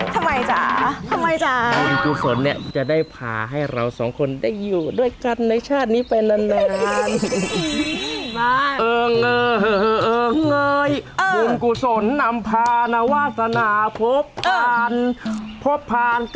ทำไมจ๋าทำไมจ๋าบุญกุศลเนี้ยจะได้พาให้เราสองคนได้อยู่ด้วยกันในชาตินี้ไปนานนาน